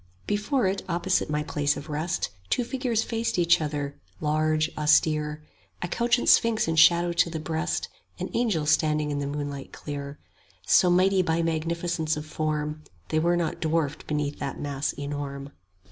Before it, opposite my place of rest, Two figures faced each other, large, austere; A couchant sphinx in shadow to the breast, An angel standing in the moonlight clear; 10 So mighty by magnificence of form, They were not dwarfed beneath that mass enorm.